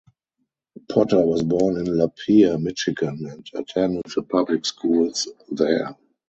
Potter was born in Lapeer, Michigan and attended the public schools there.